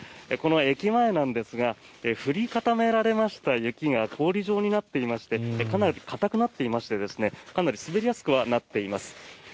この駅前なんですが踏み固められました雪が氷状になっていましてかなり固くなっていましてかなり滑りやすくなっています。